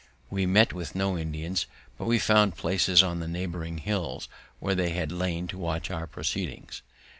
We met with no Indians, but we found the places on the neighbouring hills where they had lain to watch our proceedings.